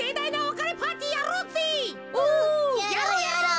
やろうやろう！